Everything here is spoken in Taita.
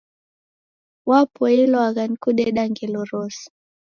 Wapoilwagha ni kudeda ngelo rose